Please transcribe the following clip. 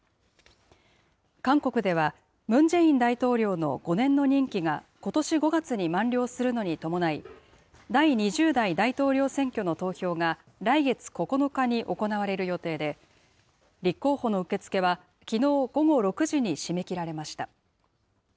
韓国では、ムン・ジェイン大統領の５年の任期が、ことし５月に満了するのに伴い、第２０代大統領選挙の投票が来月９日に行われる予定で、立候補の受け付けは、きのう午後６時に締め切られました。